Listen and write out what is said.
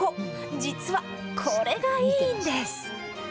実は、これがいいんです。